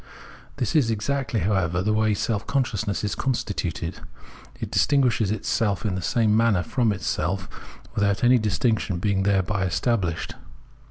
This is exactly, however, the way self consciousness is constituted. It distinguishes itself in the same manner from itself, without any distinction being there by estabhshed.